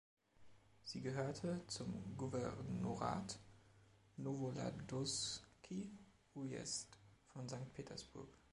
Sie gehörte zum Gouvernorat Novoladozhsky Uyezd von Sankt Petersburg.